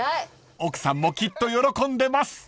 ［奥さんもきっと喜んでます］